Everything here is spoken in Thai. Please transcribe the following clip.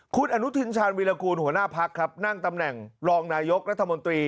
คุณอนุทินชาญวิรากูลหัวหน้าพักครับนั่งตำแหน่งรองนายกรัฐมนตรี